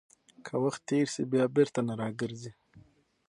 که وخت تېر شي، بیا بیرته نه راګرځي.